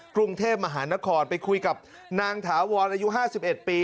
กรุงเทพมหานครไปคุยกับนางถาวรอายุ๕๑ปี